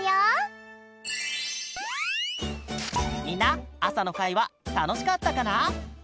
みんなあさのかいはたのしかったかな？